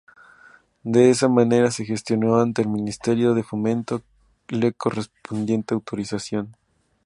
De esa manera, se gestionó ante el Ministerio de Fomento la correspondiente autorización.